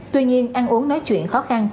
tuy nhiên ăn uống nói chuyện khó khăn